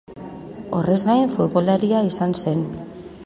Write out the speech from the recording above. Horrez gain, futbolaria izan zen.